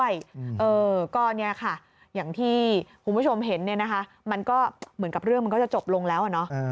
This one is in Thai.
อย่างที่คุณผู้ชมเห็นมันก็เหมือนกับเรื่องมันก็จะจบลงแล้ว